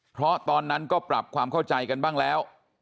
เพราะตอนนั้นก็ปรับความเข้าใจกันบ้างแล้ว